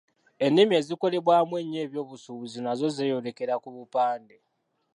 Ennimi ezikolebwamu ennyo eby'obusuubuzi nazo zeeyolekera ku bupande.